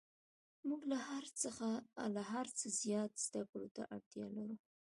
موږ له هر څه زیات زده کړو ته اړتیا لرو